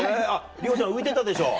里帆ちゃん浮いてたでしょ。